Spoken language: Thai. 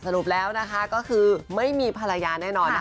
สรุปแล้วก็คือไม่มีภรรยาแน่นอน